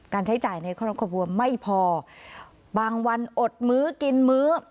ใช้จ่ายในครอบครัวไม่พอบางวันอดมื้อกินมื้อ